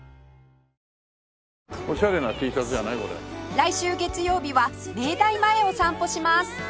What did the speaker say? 来週月曜日は明大前を散歩します